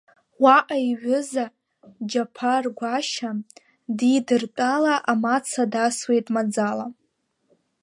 Уаҟа иҩыза, Џьаԥар гәашьа, дидыртәала амаца дасуеит маӡала.